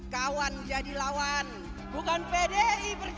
kawan jadi lawan bukan pdi perjuangan namanya kalau takut bertempur